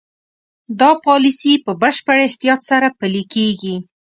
دا پالیسي په بشپړ احتیاط سره پلي کېږي.